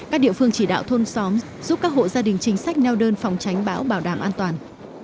các địa phương chỉ đạo thôn xóm giúp các hộ gia đình chính sách neo đơn phòng tránh bão bảo đảm an toàn